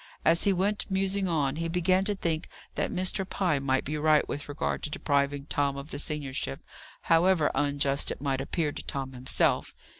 As he went musing on, he began to think that Mr. Pye might be right with regard to depriving Tom of the seniorship, however unjust it might appear to Tom himself.